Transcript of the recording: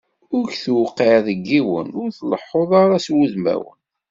Ur k-d-tewqiɛ deg yiwen, ur tleḥḥuḍ ara s wudmawen.